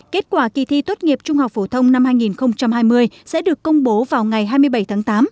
kết quả kỳ thi tốt nghiệp trung học phổ thông năm hai nghìn hai mươi sẽ được công bố vào ngày hai mươi bảy tháng tám